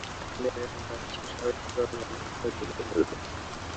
মুনিরের মনে হচ্ছে এই সরল-সহজ মানুষটা হয়তো কেঁদে ফেলবে।